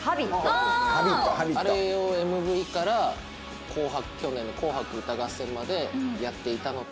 あれをＭＶから『紅白』去年の『紅白歌合戦』までやっていたのと。